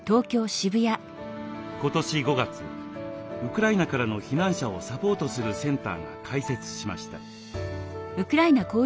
今年５月ウクライナからの避難者をサポートするセンターが開設しました。